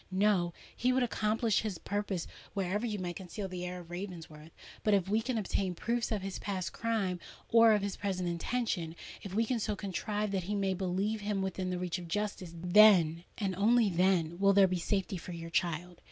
"No—he would accomplish his purpose, wherever you might conceal the heir of Ravensworth! But if we can obtain proofs of his past crime or of his present intention—if we can so contrive that we may place him within the reach of justice,—then—and only then will there be safety for your child.